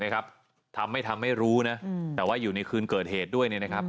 ทำไม่ทำไม่รู้นะแต่ว่าอยู่ในคืนเกิดเหตุด้วยเนี่ยนะครับ